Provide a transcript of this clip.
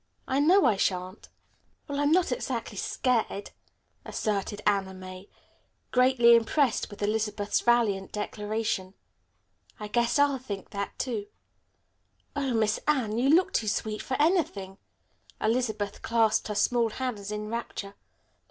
I know I shan't." "Well, I'm not exactly scared," asserted Anna May, greatly impressed with Elizabeth's valiant declaration. "I guess I'll think that, too." "Oh, Miss Anne, you look too sweet for anything." Elizabeth clasped her small hands in rapture.